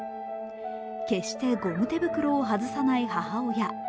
決してゴム手袋を外さない母親